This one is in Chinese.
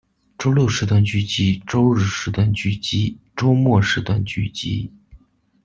周六时段剧集周日时段剧集周末时段剧集